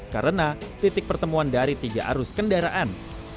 karena titik pertemuan dari tiga arus kendaraan